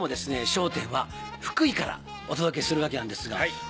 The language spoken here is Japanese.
『笑点』は福井からお届けするわけなんですが。